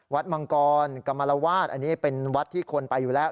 มังกรกรรมรวาสอันนี้เป็นวัดที่คนไปอยู่แล้ว